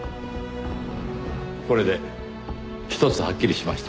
これでひとつはっきりしました。